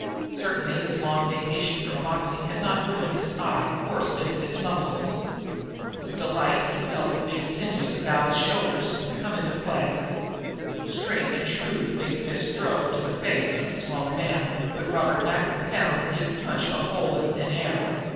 Certainly his long vacation from boxing had not ruined his eye or stiffened his muscles. With delight he felt all the big sinews about his shoulders come into play. Straight and true the big fist drove into the face of the smaller man, but Robert Macklin found that he had punched a hole in thin air.